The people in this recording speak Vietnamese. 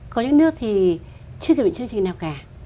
có những nước thì chưa thể định chương trình nào cả